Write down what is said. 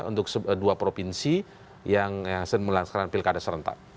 untuk dua provinsi yang mulai sekarang pilkada serentak